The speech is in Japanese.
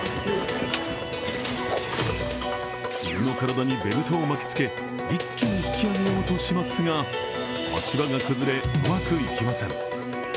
犬の体にベルトを巻きつけ一気に引き上げようとしますが足場が崩れ、うまくいきません。